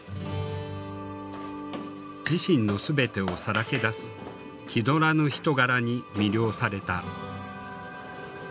自身の全てをさらけ出す気取らぬ人柄に魅了された。